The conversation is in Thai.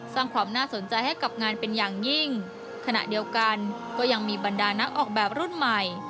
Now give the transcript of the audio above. สร้างความน่าสนใจให้กับงานเป็นอย่างยิ่งขณะเดียวกันก็ยังมีบรรดานักออกแบบรุ่นใหม่